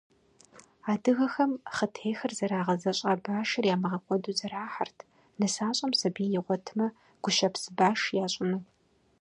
Адыгэхэм хъытехыр зэрагъэзэщӏа башыр ямыгъэкӀуэду зэрахьэрт, нысащӀэм сабий игъуэтмэ, гущэпс баш ящӀыну.